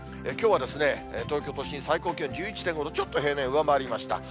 きょうは東京都心、最高気温１１．５度、ちょっと平年を上回りました。